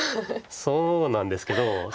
そうなんですけど。